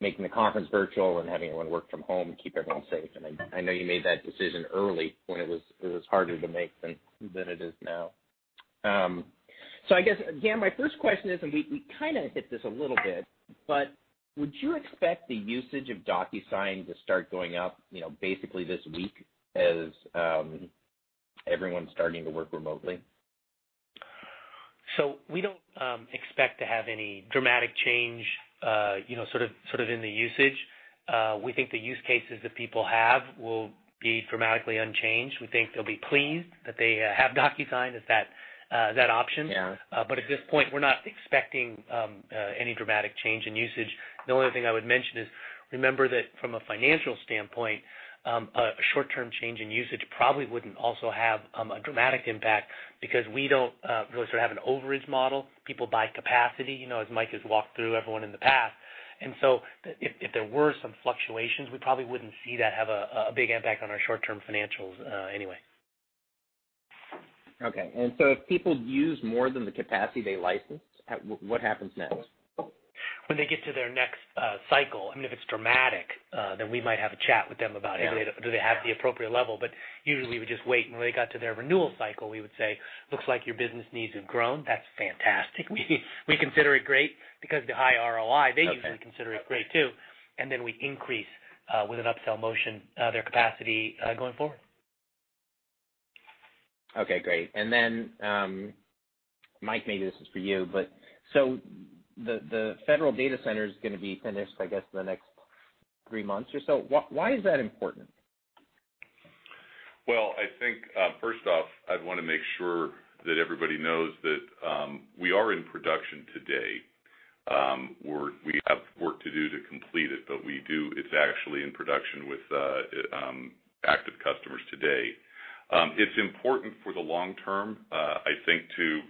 S11: making the conference virtual and having everyone work from home and keep everyone safe. I know you made that decision early when it was harder to make than it is now. I guess, Dan, my first question is, and we kind of hit this a little bit, would you expect the usage of DocuSign to start going up basically this week as everyone's starting to work remotely?
S3: We don't expect to have any dramatic change in the usage. We think the use cases that people have will be dramatically unchanged. We think they'll be pleased that they have DocuSign as that option.
S11: Yeah.
S3: At this point, we're not expecting any dramatic change in usage. The only thing I would mention is, remember that from a financial standpoint, a short-term change in usage probably wouldn't also have a dramatic impact because we don't really have an overage model. People buy capacity, as Mike has walked through everyone in the past. If there were some fluctuations, we probably wouldn't see that have a big impact on our short-term financials anyway.
S11: Okay. If people use more than the capacity they licensed, what happens next?
S3: When they get to their next cycle, I mean, if it's dramatic, then we might have a chat with them about it.
S11: Yeah
S3: do they have the appropriate level? Usually, we just wait, and when they got to their renewal cycle, we would say, "Looks like your business needs have grown. That's fantastic." We consider it great because the high ROI-
S11: Okay
S3: They usually consider it great too. Then we increase, with an upsell motion, their capacity going forward.
S11: Okay, great. Mike, maybe this is for you, but so the federal data center is going to be finished, I guess, in the next three months or so. Why is that important?
S4: I think, first off, I'd want to make sure that everybody knows that we are in production today. We have work to do to complete it, but it's actually in production with active customers today. It's important for the long term, I think, to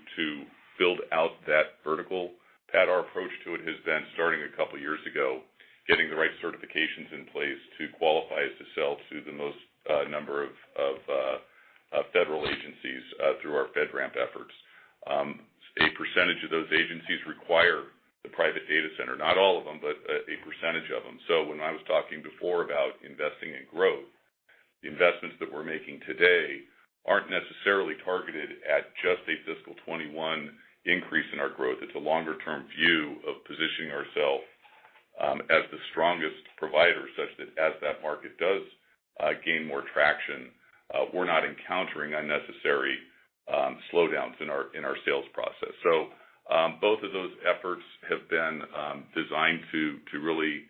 S4: build out that vertical. Pat, our approach to it has been, starting a couple of years ago, getting the right certifications in place to qualify us to sell to the most number of federal agencies through our FedRAMP efforts. A percentage of those agencies require the private data center, not all of them, but a percentage of them. When I was talking before about investing in growth, the investments that we're making today aren't necessarily targeted at just a fiscal 2021 increase in our growth. It's a longer-term view of positioning ourselves as the strongest provider, such that as that market does gain more traction, we're not encountering unnecessary slowdowns in our sales process. Both of those efforts have been designed to really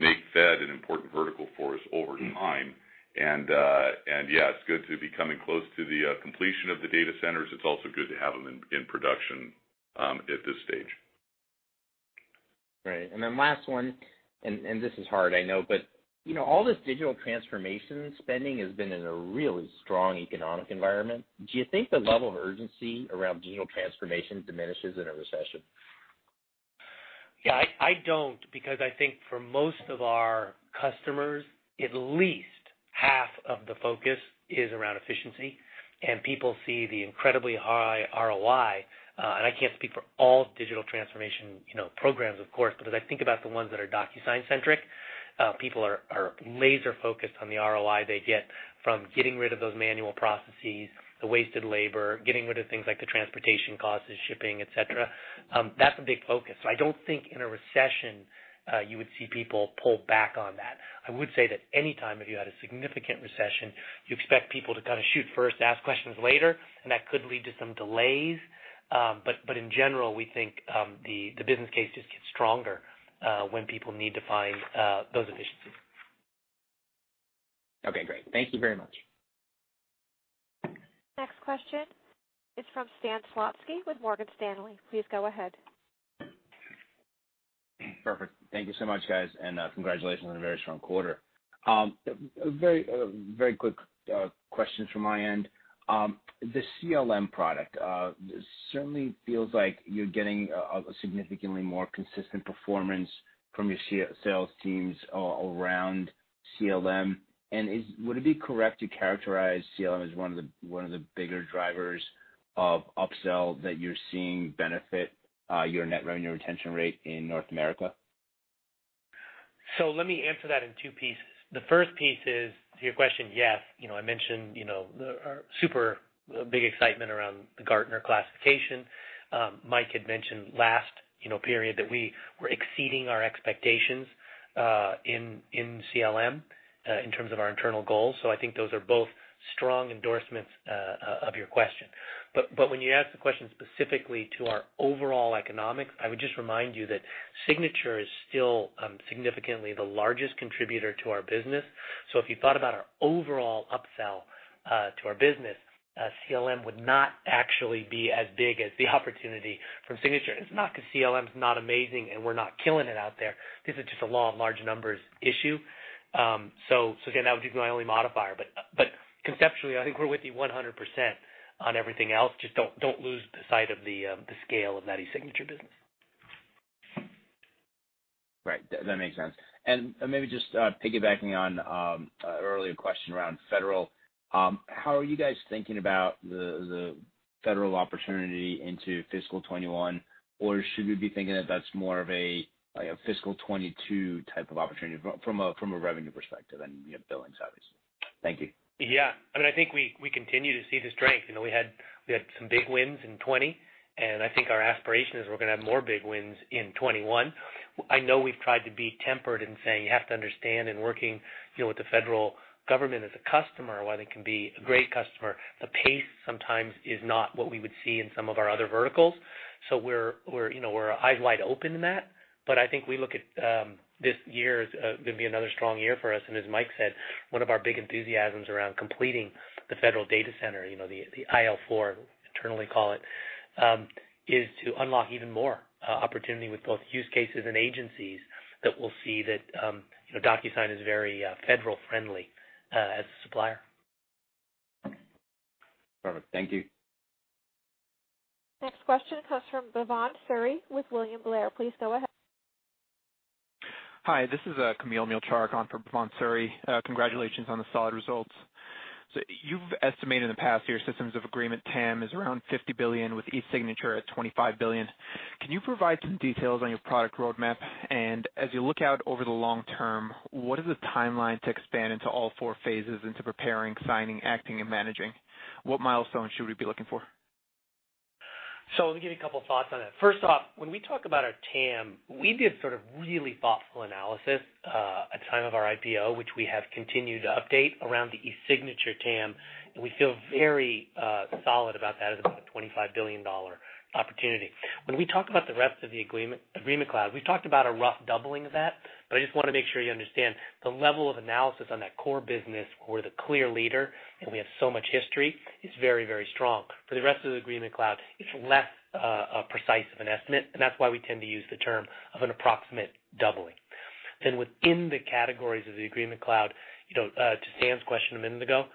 S4: make Fed an important vertical for us over time. Yeah, it's good to be coming close to the completion of the data centers. It's also good to have them in production at this stage.
S11: Right. Last one, and this is hard, I know, but all this digital transformation spending has been in a really strong economic environment. Do you think the level of urgency around digital transformation diminishes in a recession?
S3: I don't, because I think for most of our customers, at least half of the focus is around efficiency, people see the incredibly high ROI. I can't speak for all digital transformation programs, of course, but as I think about the ones that are DocuSign-centric, people are laser-focused on the ROI they get from getting rid of those manual processes, the wasted labor, getting rid of things like the transportation costs of shipping, et cetera. That's a big focus. I don't think in a recession, you would see people pull back on that. I would say that any time, if you had a significant recession, you expect people to kind of shoot first, ask questions later, and that could lead to some delays. In general, we think the business case just gets stronger when people need to find those efficiencies.
S11: Okay, great. Thank you very much.
S1: Next question is from Stan Zlotsky with Morgan Stanley. Please go ahead.
S12: Perfect. Thank you so much, guys, and congratulations on a very strong quarter. Very quick questions from my end. The CLM product certainly feels like you're getting a significantly more consistent performance from your sales teams around CLM. Would it be correct to characterize CLM as one of the bigger drivers of upsell that you're seeing benefit your net revenue retention rate in North America?
S3: Let me answer that in two pieces. The first piece is to your question, yes. I mentioned our super big excitement around the Gartner classification. Mike had mentioned last period that we were exceeding our expectations in CLM in terms of our internal goals. I think those are both strong endorsements of your question. When you ask the question specifically to our overall economics, I would just remind you that Signature is still significantly the largest contributor to our business. If you thought about our overall upsell to our business, CLM would not actually be as big as the opportunity from Signature. It's not because CLM is not amazing and we're not killing it out there. This is just a law of large numbers issue. Again, that would be my only modifier. Conceptually, I think we're with you 100% on everything else. Just don't lose the sight of the scale of that eSignature business.
S12: Right. That makes sense. Maybe just piggybacking on an earlier question around federal, how are you guys thinking about the federal opportunity into fiscal 2021? Should we be thinking that that's more of a fiscal 2022 type of opportunity from a revenue perspective and billings, obviously? Thank you.
S3: I think we continue to see the strength. We had some big wins in 2020. I think our aspiration is we're going to have more big wins in 2021. I know we've tried to be tempered in saying you have to understand in working with the federal government as a customer, while they can be a great customer, the pace sometimes is not what we would see in some of our other verticals. We're eyes wide open to that. I think we look at this year as going to be another strong year for us. As Mike said, one of our big enthusiasms around completing the federal data center, the IL4, internally call it, is to unlock even more opportunity with both use cases and agencies that will see that DocuSign is very federal-friendly as a supplier.
S12: Perfect. Thank you.
S1: Next question comes from Bhavan Suri with William Blair. Please go ahead.
S13: Hi, this is Kamil Mielczarek on for Bhavan Suri. Congratulations on the solid results. You've estimated in the past your systems of agreement TAM is around $50 billion, with eSignature at $25 billion. Can you provide some details on your product roadmap? As you look out over the long term, what is the timeline to expand into all four phases into preparing, signing, acting, and managing? What milestone should we be looking for?
S3: Let me give you a couple of thoughts on that. First off, when we talk about our TAM, we did sort of really thoughtful analysis at the time of our IPO, which we have continued to update around the eSignature TAM. We feel very solid about that as about a $25 billion opportunity. When we talk about the rest of the Agreement Cloud, we've talked about a rough doubling of that, but I just want to make sure you understand the level of analysis on that core business. We're the clear leader, and we have so much history, it's very, very strong. For the rest of the Agreement Cloud, it's less precise of an estimate, and that's why we tend to use the term of an approximate doubling. Within the categories of the Agreement Cloud, to Stan's question a minute ago,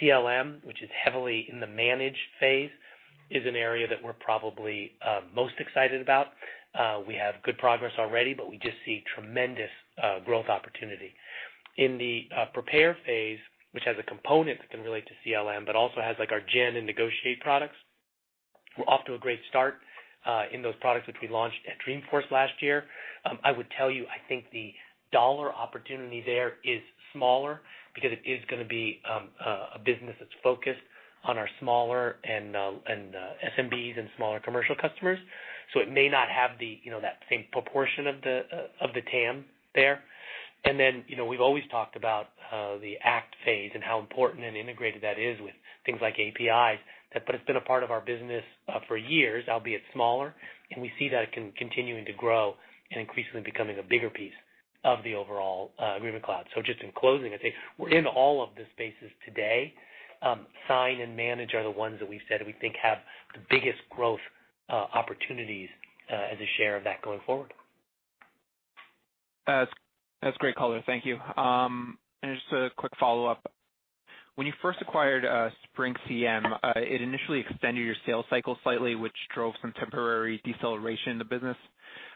S3: CLM, which is heavily in the manage phase, is an area that we're probably most excited about. We have good progress already, but we just see tremendous growth opportunity. In the prepare phase, which has a component that can relate to CLM, but also has like our Gen and Negotiate products, we're off to a great start in those products which we launched at Dreamforce last year. I would tell you, I think the dollar opportunity there is smaller because it is going to be a business that's focused on our smaller SMBs and smaller commercial customers. It may not have that same proportion of the TAM there. We've always talked about the act phase and how important and integrated that is with things like APIs, but it's been a part of our business for years, albeit smaller, and we see that continuing to grow and increasingly becoming a bigger piece of the overall DocuSign Agreement Cloud. Just in closing, I'd say we're in all of the spaces today. Sign and Manage are the ones that we've said we think have the biggest growth opportunities as a share of that going forward.
S13: That's great, color. Thank you. Just a quick follow-up. When you first acquired SpringCM, it initially extended your sales cycle slightly, which drove some temporary deceleration in the business.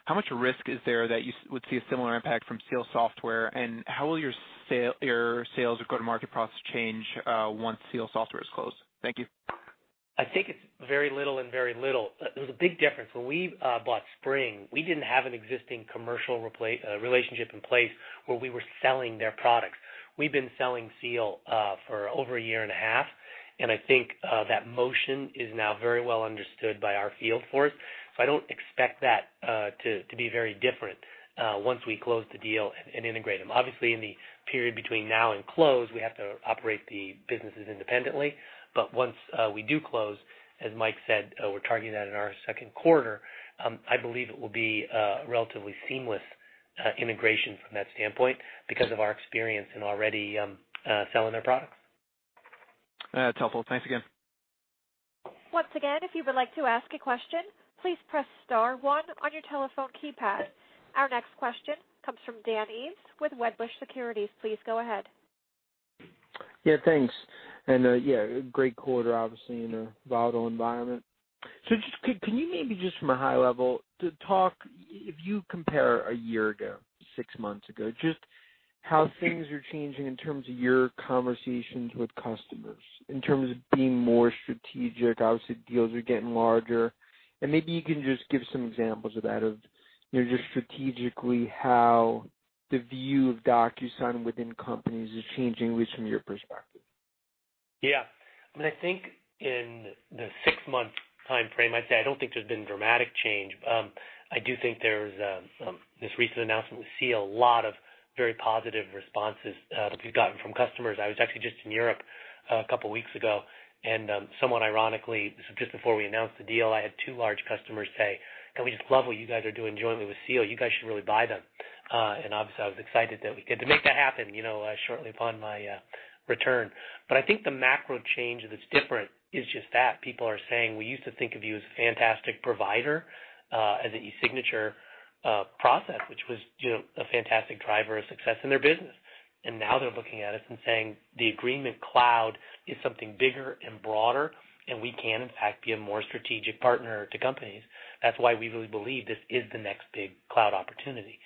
S13: How much risk is there that you would see a similar impact from Seal Software? How will your sales go-to-market process change once Seal Software is closed? Thank you.
S3: I think it's very little and very little. There's a big difference. When we bought SpringCM, we didn't have an existing commercial relationship in place where we were selling their products. We've been selling Seal for over a year and a half, and I think that motion is now very well understood by our field force, so I don't expect that to be very different once we close the deal and integrate them. Obviously, in the period between now and close, we have to operate the businesses independently. Once we do close, as Mike said, we're targeting that in our second quarter, I believe it will be a relatively seamless integration from that standpoint because of our experience in already selling their products.
S13: That's helpful. Thanks again.
S1: Once again, if you would like to ask a question, please press star one on your telephone keypad. Our next question comes from Dan Ives with Wedbush Securities. Please go ahead.
S14: Yeah, thanks. Yeah, great quarter, obviously, in a volatile environment. Just, can you maybe just from a high level, talk, if you compare a year ago, six months ago, just how things are changing in terms of your conversations with customers, in terms of being more strategic? Obviously, deals are getting larger. Maybe you can just give some examples of that, of just strategically how the view of DocuSign within companies is changing at least from your perspective.
S3: Yeah. I think in the six-month timeframe, I'd say I don't think there's been dramatic change. I do think there's this recent announcement, we see a lot of very positive responses that we've gotten from customers. I was actually just in Europe a couple of weeks ago. Somewhat ironically, just before we announced the deal, I had two large customers say, "We just love what you guys are doing jointly with Seal. You guys should really buy them." Obviously, I was excited that we could make that happen shortly upon my return. I think the macro change that's different is just that. People are saying, "We used to think of you as a fantastic provider," as an eSignature process, which was a fantastic driver of success in their business. Now they're looking at us and saying the Agreement Cloud is something bigger and broader, and we can, in fact, be a more strategic partner to companies. That's why we really believe this is the next big cloud opportunity.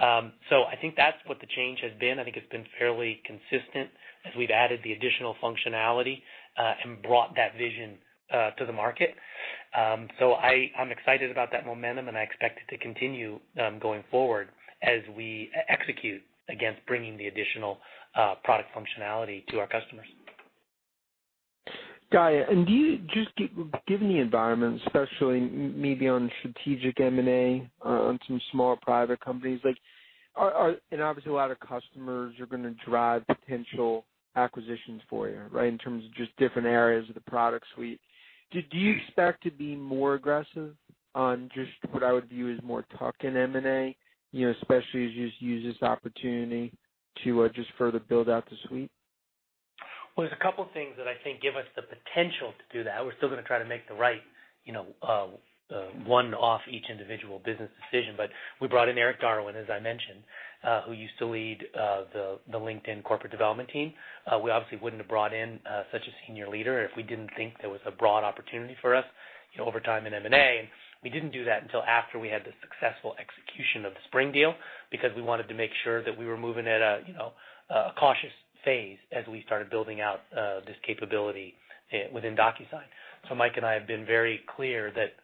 S3: I think that's what the change has been. I think it's been fairly consistent as we've added the additional functionality and brought that vision to the market. I'm excited about that momentum, and I expect it to continue going forward as we execute against bringing the additional product functionality to our customers.
S14: Got it. Just given the environment, especially maybe on strategic M&A on some small private companies, and obviously a lot of customers are going to drive potential acquisitions for you, right? In terms of just different areas of the product suite. Do you expect to be more aggressive on just what I would view as more tuck-in M&A, especially as you use this opportunity to just further build out the suite?
S3: There's a couple things that I think give us the potential to do that. We're still gonna try to make the right one-off each individual business decision. We brought in Eric Darwin, as I mentioned, who used to lead the LinkedIn corporate development team. We obviously wouldn't have brought in such a senior leader if we didn't think there was a broad opportunity for us over time in M&A. We didn't do that until after we had the successful execution of the SpringCM deal because we wanted to make sure that we were moving at a cautious phase as we started building out this capability within DocuSign. Mike and I have been very clear that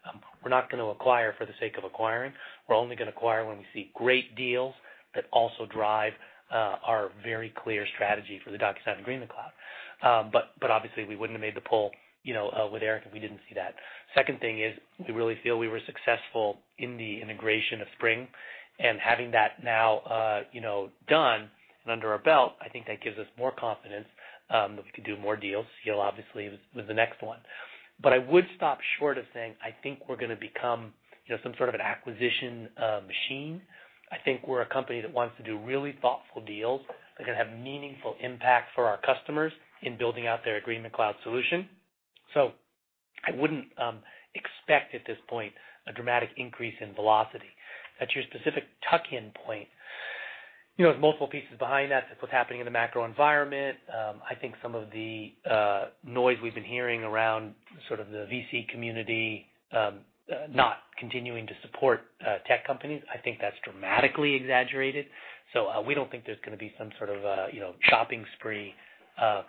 S3: we're not gonna acquire for the sake of acquiring. We're only gonna acquire when we see great deals that also drive our very clear strategy for the DocuSign Agreement Cloud. Obviously, we wouldn't have made the pull with Eric if we didn't see that. Second thing is we really feel we were successful in the integration of SpringCM and having that now done and under our belt, I think that gives us more confidence that we can do more deals. Seal, obviously, was the next one. I would stop short of saying I think we're going to become some sort of an acquisition machine. I think we're a company that wants to do really thoughtful deals that are going to have meaningful impact for our customers in building out their Agreement Cloud solution. I wouldn't expect, at this point, a dramatic increase in velocity. At your specific tuck-in point, there's multiple pieces behind that. It's what's happening in the macro environment. I think some of the noise we've been hearing around the VC community not continuing to support tech companies, I think that's dramatically exaggerated. We don't think there's going to be some sort of shopping spree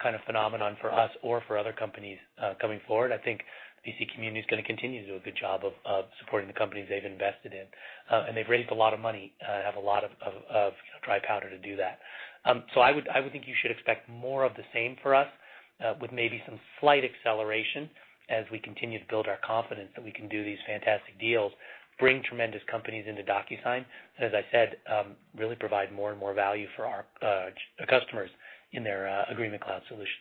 S3: kind of phenomenon for us or for other companies coming forward. I think the VC community is going to continue to do a good job of supporting the companies they've invested in. They've raised a lot of money, have a lot of dry powder to do that. I would think you should expect more of the same for us, with maybe some slight acceleration as we continue to build our confidence that we can do these fantastic deals, bring tremendous companies into DocuSign, and as I said, really provide more and more value for our customers in their Agreement Cloud solution.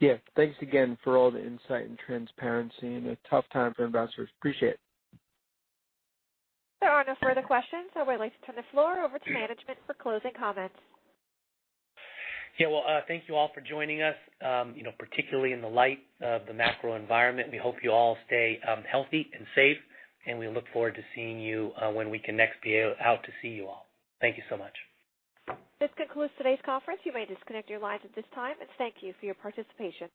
S14: Yeah. Thanks again for all the insight and transparency in a tough time for investors. Appreciate it.
S1: There are no further questions, so I'd like to turn the floor over to management for closing comments.
S3: Yeah. Well, thank you all for joining us. Particularly in the light of the macro environment, we hope you all stay healthy and safe, and we look forward to seeing you when we can next be out to see you all. Thank you so much.
S1: This concludes today's conference. You may disconnect your lines at this time, and thank you for your participation.